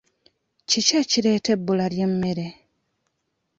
Kiki ekireeta ebbula ly'emmere?